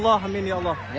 amin ya allah